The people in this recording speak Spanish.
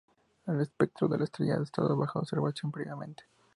El espectro de la estrella ha estado bajo observación previamente.